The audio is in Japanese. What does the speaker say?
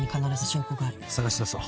探し出そう。